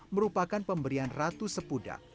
merupakan pemberian ratu sepudak